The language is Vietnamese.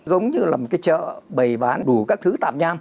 giống như là một cái chợ bày bán đủ các thứ tạm nham